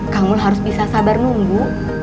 kamu harus bisa sabar nunggu